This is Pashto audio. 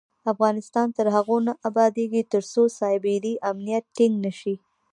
افغانستان تر هغو نه ابادیږي، ترڅو سایبري امنیت ټینګ نشي.